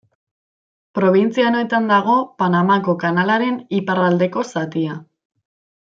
Probintzia honetan dago Panamako kanalaren iparraldeko zatia.